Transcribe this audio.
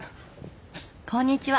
こんにちは。